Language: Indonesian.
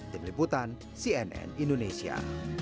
demi liputan cnn indonesia